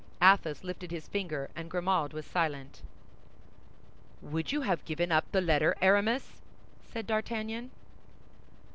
Athos lifted his finger, and Grimaud was silent. "Would you have given up the letter, Aramis?" said D'Artagnan.